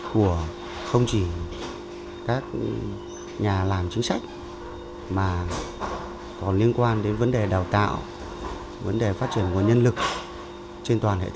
của không chỉ các nhà làm chính sách mà còn liên quan đến vấn đề đào tạo vấn đề phát triển nguồn nhân lực trên toàn hệ thống